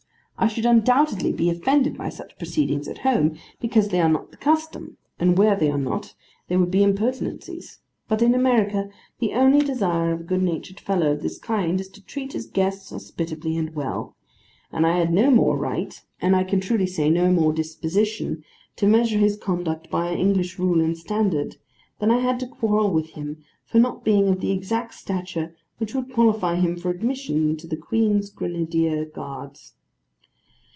I should undoubtedly be offended by such proceedings at home, because there they are not the custom, and where they are not, they would be impertinencies; but in America, the only desire of a good natured fellow of this kind, is to treat his guests hospitably and well; and I had no more right, and I can truly say no more disposition, to measure his conduct by our English rule and standard, than I had to quarrel with him for not being of the exact stature which would qualify him for admission into the Queen's grenadier guards.